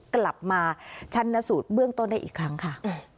กลับมาชันสูตรเบื้องต้นได้อีกครั้งค่ะ